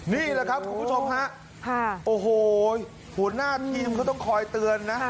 นี่แหละครับคุณผู้ชมฮะโอ้โหหัวหน้าทีมเขาต้องคอยเตือนนะ